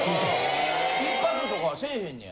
１泊とかせぇへんねや。